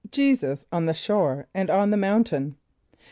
Jesus on the Shore and on the Mountain.